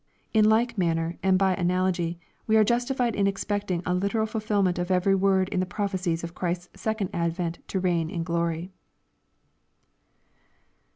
In like manner, and by analogy, we are justified in expecting a literal fulfilment of every word in the prophecies of Christ's second advent to reign in glory.